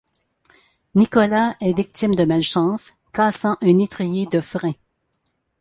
Nicolas est victime de malchance, cassant un étrier de frein.